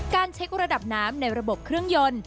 เช็คระดับน้ำในระบบเครื่องยนต์